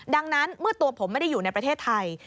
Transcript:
ดังนั้นเมื่อตัวผมไม่ได้อยู่ในประเทศไทย